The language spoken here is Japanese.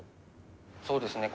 そうですね